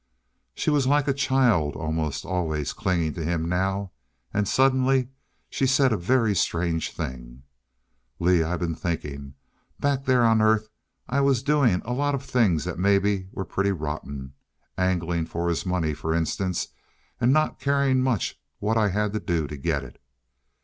She was like a child, almost always clinging to him now. And suddenly she said a very strange thing. "Lee, I been thinkin' back there on Earth I was doin' a lot of things that maybe were pretty rotten anglin' for his money for instance an' not carin' much what I had to do to get it."